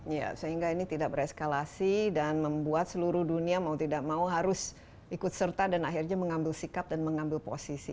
ya sehingga ini tidak bereskalasi dan membuat seluruh dunia mau tidak mau harus ikut serta dan akhirnya mengambil sikap dan mengambil posisi